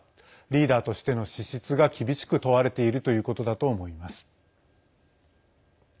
リーダーとしての資質が厳しく問われているということだと思います。